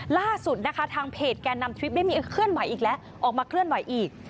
ล่าสุดนะคะทางเพจแกนนำทริปได้มีเคลื่อนไหวอีกแล้วออกมาเคลื่อนไหวอีก